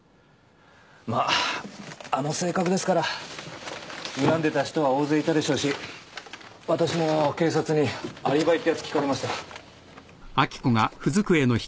まああの性格ですから恨んでた人は大勢いたでしょうし私も警察にアリバイってやつ聞かれました。